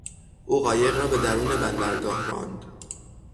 او قایق را به درون بندرگاه راند.